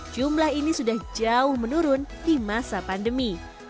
kue ini juga menurun di masa pandemi